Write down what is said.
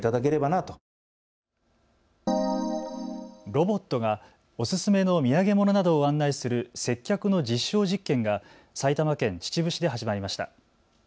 ロボットがおすすめの土産物などを案内する接客の実証実験が埼玉県秩父市で始まりました。